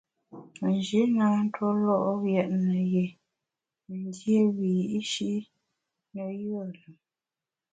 Nji na ntue lo’ yètne yin dié wiyi’shi ne yùe lùm.